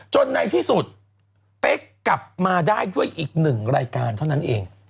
ในที่สุดเป๊กกลับมาได้ด้วยอีกหนึ่งรายการเท่านั้นเอง